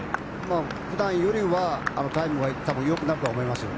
普段よりはタイムはよくなるとは思います。